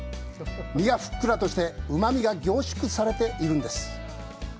身がふっくらとしてうまみが凝縮されているんです。